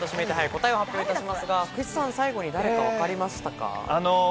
答えを発表いたしますが、福士さん最後に誰かわかりましたか？